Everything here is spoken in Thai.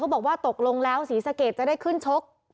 บอกว่าตกลงแล้วศรีสะเกดจะได้ขึ้นชก